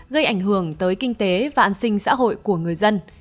gây ảnh hưởng tới kinh tế và an sinh xã hội của người dân